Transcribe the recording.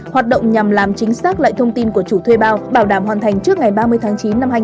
hoạt động nhằm làm chính xác lại thông tin của chủ thuê bao bảo đảm hoàn thành trước ngày ba mươi một tháng